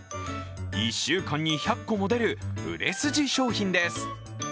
１週間に１００個も出る売れ筋商品です。